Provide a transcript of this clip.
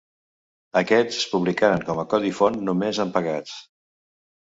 Aquests es publicaren com a codi font només en pegats.